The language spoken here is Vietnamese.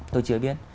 tôi chưa biết